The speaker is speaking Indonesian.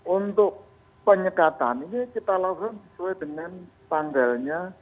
untuk penyekatan ini kita lakukan sesuai dengan tanggalnya